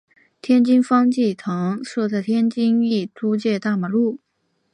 天津方济堂设在天津意租界大马路。